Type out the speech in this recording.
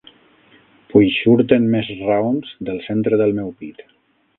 Puix surten més raons del centre del meu pit.